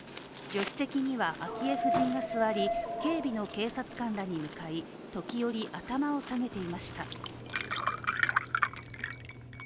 助手席には昭恵夫人が座り、警備の警察官らに向かい、時折、頭を下げていました。